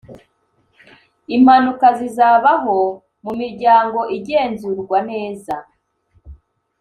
impanuka zizabaho (mumiryango igenzurwa neza).